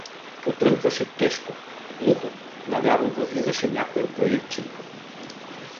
Подрънкваше тежко, глухо, навярно възлизаше някоя баирчинка.